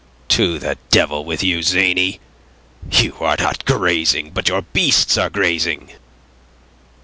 "To the devil with you, zany! You are not grazing! But your beasts are grazing!"